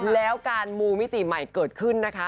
แล้วการมูมิติใหม่เกิดขึ้นนะคะ